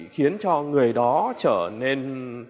khiến cho người đó trở nên